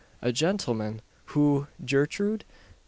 "A gentleman! Who, Gertrude?"